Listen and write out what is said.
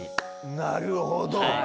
なるほど！